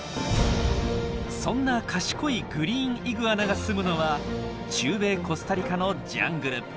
そんな賢いグリーンイグアナが住むのは中米コスタリカのジャングル。